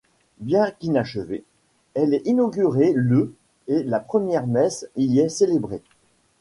Bien qu'inachevée, elle est inaugurée le et la première messe y est célébrée.